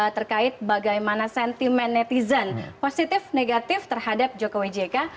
terkait bagaimana sentimen netizen positif negatif terhadap jokowi jk